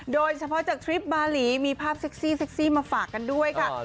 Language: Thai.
โดยเฉพาะจากทริปบาหลีมีภาพเซ็กซี่เซ็กซี่มาฝากกันด้วยค่ะ